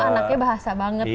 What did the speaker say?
oh anaknya bahasa banget ya